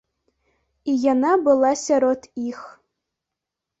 І яна была сярод іх.